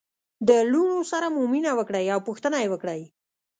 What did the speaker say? د لوڼو سره مو مینه وکړئ او پوښتنه يې وکړئ